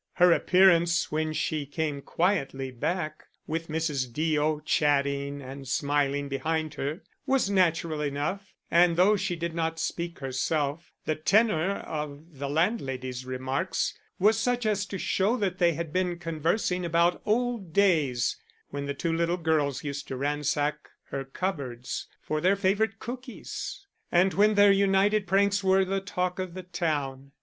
Her appearance when she came quietly back, with Mrs. Deo chatting and smiling behind her, was natural enough, and though she did not speak herself, the tenor of the landlady's remarks was such as to show that they had been conversing about old days when the two little girls used to ransack her cupboards for their favorite cookies, and when their united pranks were the talk of the town.